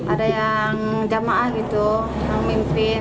ada yang jamaah gitu yang mimpin